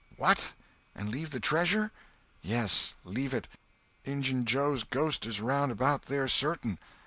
"What! and leave the treasure?" "Yes—leave it. Injun Joe's ghost is round about there, certain."